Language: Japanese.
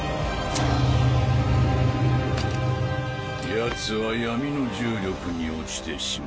ヤツは闇の重力に落ちてしまった。